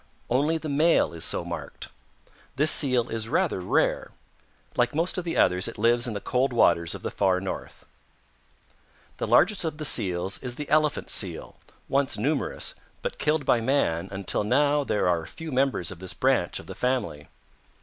Only the male is so marked. This Seal is rather rare. Like most of the others it lives in the cold waters of the Far North. "The largest of the Seals is the Elephant Seal, once numerous, but killed by man until now there are few members of this branch of the family.